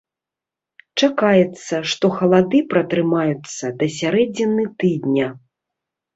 Чакаецца, што халады пратрымаюцца да сярэдзіны тыдня.